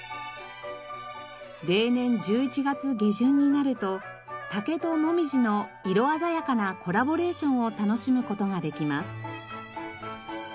例年１１月下旬になると竹とモミジの色鮮やかなコラボレーションを楽しむ事ができます。